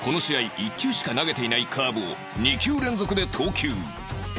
１球しか投げていないカーブを２球連続で投球